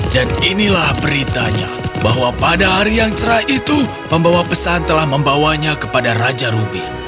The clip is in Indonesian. dan inilah beritanya bahwa pada hari yang cerah itu pembawa pesan telah membawanya kepada raja rubin